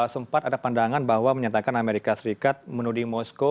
sempat ada pandangan bahwa menyatakan amerika serikat menuding moskow